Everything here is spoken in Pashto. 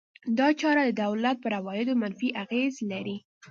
دا چاره د دولت پر عوایدو منفي اغېز لري.